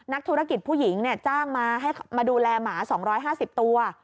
นักธุรกิจผู้หญิงเนี้ยจ้างมาให้มาดูแลหมาสองร้อยห้าสิบตัว